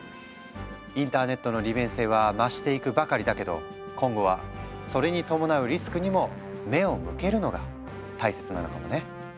インターネットの利便性は増していくばかりだけど今後はそれに伴うリスクにも目を向けるのが大切なのかもね。